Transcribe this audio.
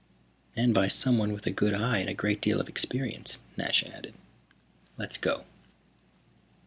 "And by someone with a good eye and a great deal of experience," Nasha added. "Let's go."